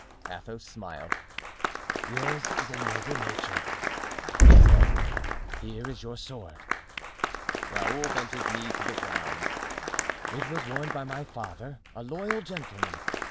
Athos smiled. "Yours is a noble nature." he said; "here is your sword." Raoul bent his knee to the ground. "It was worn by my father, a loyal gentleman.